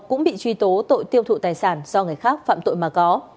cũng bị truy tố tội tiêu thụ tài sản do người khác phạm tội mà có